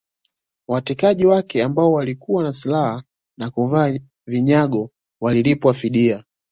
Watekaji wake ambao walikuwa na silaha na kuvaa vinyago walilipwa fidia